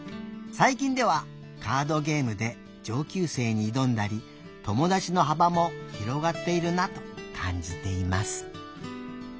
最近ではカードゲームで上級生に挑んだり友達の幅も広がっているなと感じています」。